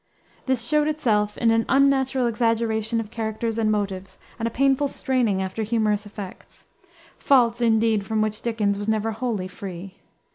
This showed itself in an unnatural exaggeration of characters and motives, and a painful straining after humorous effects; faults, indeed, from which Dickens was never wholly free.